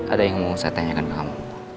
ada yang mau saya tanyakan ke kamu